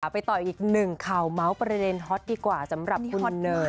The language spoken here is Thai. ไปต่ออีก๑ข่าวเม้าส์ประเด็นฮอตสำหรับคุณเนย